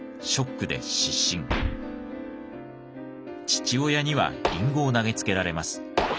父親にはリンゴを投げつけられます。